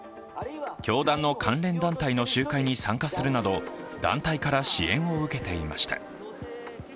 教団の関連団体の集会に参加するなど団体から支援を受けていました。